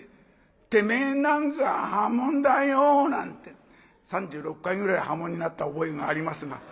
てめえなんざ破門だよ」なんて３６回ぐらい破門になった覚えがありますが。